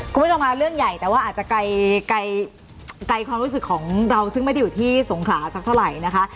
คุณผู้ชมค่ะเรื่องใหญ่แต่ว่าอาจจะไกลความรู้สึกของเราซึ่งไม่ได้อยู่ที่สงขลาสักเท่าไหร่นะคะ